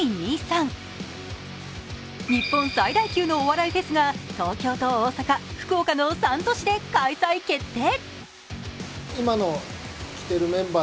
日本最大級のお笑いフェスが東京と大阪、福岡の３都市で開催決定。